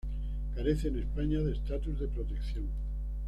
Carece en España de estatus de protección.